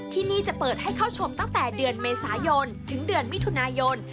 ที่นี่จะเปิดให้เข้าชมตั้งแต่เดือนเมษายนถึงเดือนมิถุนายน